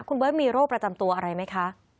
คุณเบิร์ตมีโรคประจำตัวอะไรไหมคะ